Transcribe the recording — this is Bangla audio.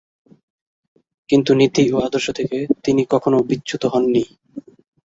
কিন্তু নীতি ও আদর্শ থেকে তিনি কখনও বিচ্যুত হননি।